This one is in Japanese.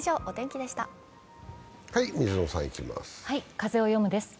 「風をよむ」です。